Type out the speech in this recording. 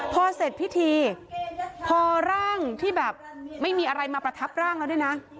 พอเสร็จพิธีพอร่างที่แบบไม่มีอะไรมาประทับร่างแล้วด้วยนะ